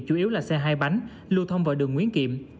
chủ yếu là xe hai bánh lưu thông vào đường nguyễn kiệm